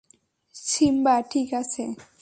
Simba ঠিক আছে।